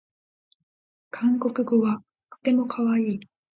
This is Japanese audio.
韓国語はとてもかわいい